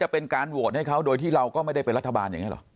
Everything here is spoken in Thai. เป็นการโหวตให้เขาโดยที่เราก็ไม่ได้เป็นรัฐบาลอย่างนี้หรอ